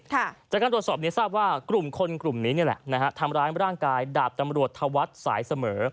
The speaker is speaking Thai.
จากการโดดสอบเนี้ยทราบว่ากลุ่มคนกลุ่มนี้เนี่ยแหละนะฮะทำร้ายให้เป็นร่างกายดาบนำรวชทวัตรสายเสมอ